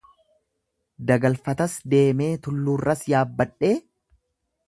Dagalfatas deemee, tulluurras yaabbadhee.